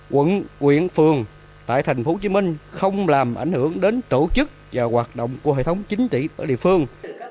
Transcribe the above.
quận quyện phường tại tp hcm không làm ảnh hưởng đến tổ chức và hoạt động của hệ thống chính trị ở địa phương